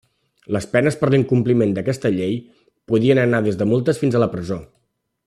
Les penes per l'incompliment d'aquesta llei podien anar des de multes fins a la presó.